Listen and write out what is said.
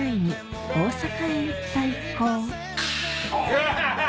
ガハハハ！